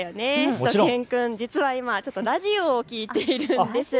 しゅと犬くん、実は今、ラジオを聞いているんです。